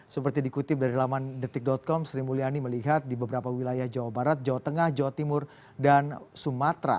seperti dikutip dari laman detik com sri mulyani melihat di beberapa wilayah jawa barat jawa tengah jawa timur dan sumatera